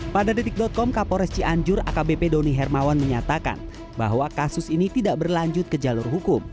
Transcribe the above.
pada detik com kapolres cianjur akbp doni hermawan menyatakan bahwa kasus ini tidak berlanjut ke jalur hukum